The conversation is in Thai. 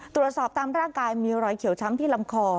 ตามร่างกายมีรอยเขียวช้ำที่ลำคอ